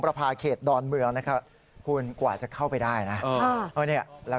กว่าเขาก็จะเข้าไปแต่ละด่านได้